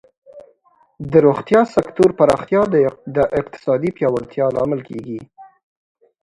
د روغتیا سکتور پراختیا د اقتصادی پیاوړتیا لامل کیږي.